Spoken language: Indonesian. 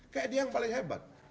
kayak dia yang paling hebat